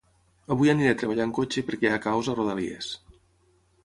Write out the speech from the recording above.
Avui aniré a treballar en cotxe perquè hi ha caos a rodalies